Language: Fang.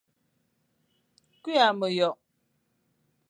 Küa meyokh,